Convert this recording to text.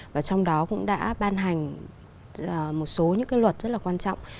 và trong đó cũng đã ban hành một số những cái luật rất là quan trọng